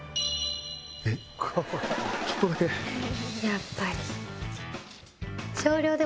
やっぱり。